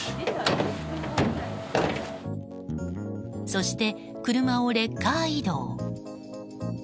そして車をレッカー移動。